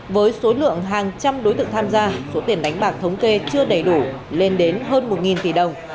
với số lượng hàng trăm đối tượng tham gia số tiền đánh bạc thống kê chưa đầy đủ lên đến hơn một tỷ đồng